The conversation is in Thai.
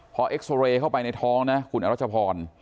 พอเอ็กซอเรย์เข้าไปในท้องนะคุณอรัชพร